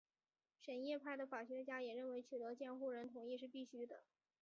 什叶派的法学家也认为取得监护人同意是必须的。